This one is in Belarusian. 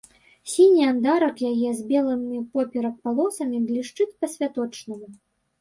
Сіні андарак яе з белымі поперак палосамі блішчыць па-святочнаму.